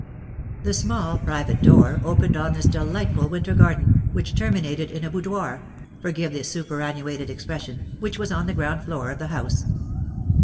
The small private door opened on this delightful winter garden, which terminated in a boudoir (forgive the superannuated expression), which was on the ground floor of the house.